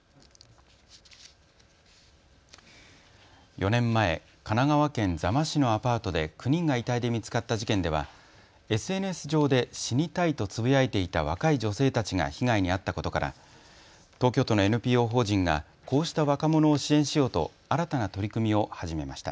４年前、神奈川県座間市のアパートで９人が遺体で見つかった事件ではＳＮＳ上で死にたいとつぶやいていた若い女性たちが被害に遭ったことから東京都のＮＰＯ法人がこうした若者を支援しようと新たな取り組みを始めました。